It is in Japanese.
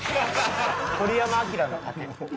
鳥山明の丈。